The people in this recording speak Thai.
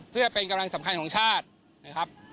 เพื่อเป็นกำลังสำคัญของชาตินะครับ